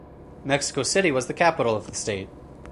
Mexico City was the capital of the state.